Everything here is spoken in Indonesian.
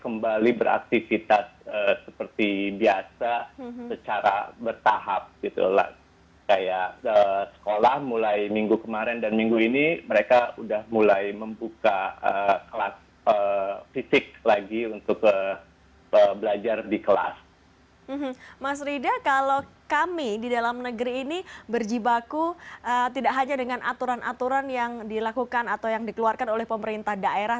mas rida kalau kami di dalam negeri ini berjibaku tidak hanya dengan aturan aturan yang dilakukan atau yang dikeluarkan oleh pemerintah daerah